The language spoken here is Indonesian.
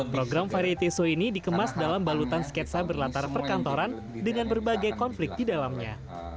program variety show ini dikemas dalam balutan sketsa berlatar perkantoran dengan berbagai konflik di dalamnya